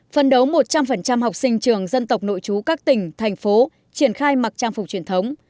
phân đấu một trăm linh học sinh trường dân tộc nội chú các tỉnh thành phố triển khai mặc trang phục truyền thống